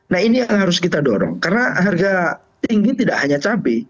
nah ini yang harus kita dorong karena harga tinggi tidak hanya cabai